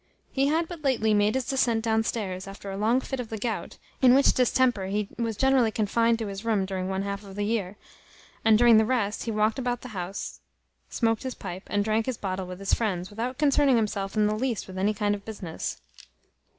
He had but lately made his descent downstairs, after a long fit of the gout, in which distemper he was generally confined to his room during one half of the year; and during the rest, he walked about the house, smoaked his pipe, and drank his bottle with his friends, without concerning himself in the least with any kind of business.